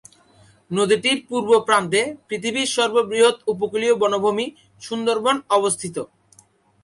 নদীটির পূর্ব প্রান্তে পৃথিবীর সর্ববৃহৎ উপকূলীয় বনভূমি সুন্দরবন অবস্থিত।